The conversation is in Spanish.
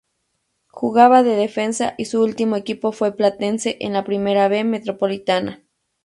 Jugaba de defensa y su último equipo fue Platense en la Primera B Metropolitana.